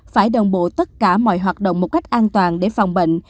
phải đồng bộ tất cả mọi hoạt động một cách an toàn để phòng bệnh